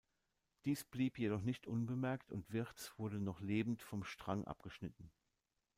Dies blieb jedoch nicht unbemerkt und Wirths wurde noch lebend vom Strang abgeschnitten.